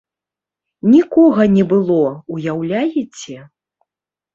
Нікога не было, уяўляеце!